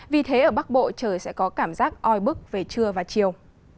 vì thế ở bắc bộ trời sẽ có cảm giác oi bức về trưa và chiều